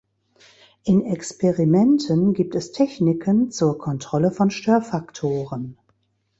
In Experimenten gibt es Techniken zur Kontrolle von Störfaktoren.